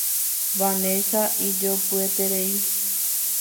Vanessa ijopyeterei.